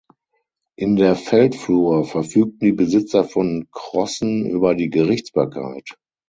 In der Feldflur verfügten die Besitzer von Crossen über die Gerichtsbarkeit.